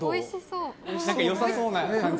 良さそうな感じ？